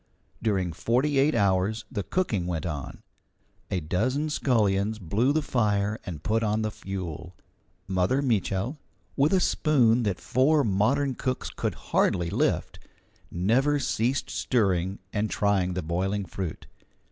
During forty eight hours the cooking went on; a dozen scullions blew the fire and put on the fuel. Mother Mitchel, with a spoon that four modern cooks could hardly lift, never ceased stirring and trying the boiling fruit.